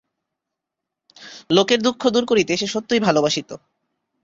লোকের দুঃখ দূর করিতে সে সত্যই ভালোবাসিত।